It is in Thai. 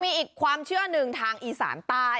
มีอีกความเชื่อหนึ่งทางอีสานใต้